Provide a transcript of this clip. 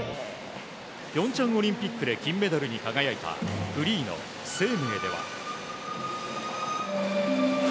平昌オリンピックで金メダルの輝いたフリーの「ＳＥＩＭＥＩ」では。